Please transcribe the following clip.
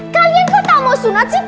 kalian kok tak mau sunat sih